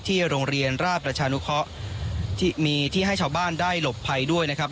โรงเรียนราชประชานุเคราะห์ที่มีที่ให้ชาวบ้านได้หลบภัยด้วยนะครับ